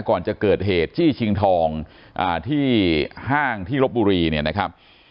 ก่อนจะเกิดเหตุจี้ชิงทองที่ห้างที่ลบบุรีเนี่ยนะครับ